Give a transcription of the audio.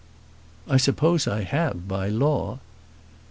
"I suppose I have, by law."